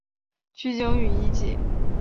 取景于以及。